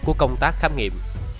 của công tác khám nghiệm